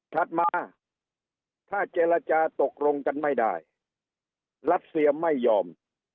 ถัดมาถ้าเจรจาตกลงกันไม่ได้รัสเซียไม่ยอม